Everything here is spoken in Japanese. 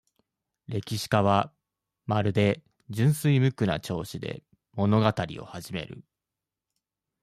歴史家は、まるで、純情無垢な調子で、物語を始める。